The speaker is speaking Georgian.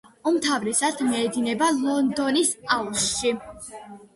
უმთავრესად მიედინება ლონდონის აუზში.